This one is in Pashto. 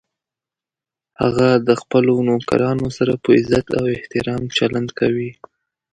هغه د خپلو نوکرانو سره په عزت او احترام چلند کوي